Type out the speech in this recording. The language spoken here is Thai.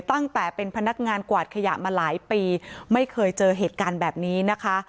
ตั้งแต่เป็นพนักงานกวาดขยะมาหลายปีไม่เคยเจอเหตุการณ์แบบนี้นะคะ